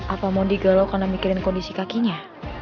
apa mondi gelok karena mikirin kondisi kakinya